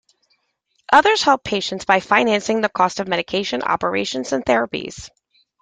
Others help patients by financing the cost of medications, operations and therapies.